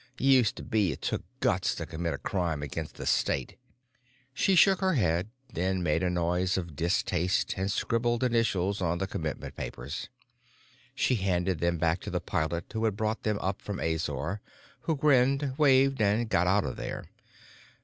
"Used to be it took guts to commit a crime against the state." She shook her head, then made a noise of distaste and scribbled initials on the commitment papers. She handed them back to the pilot who had brought them up from Azor, who grinned, waved, and got out of there.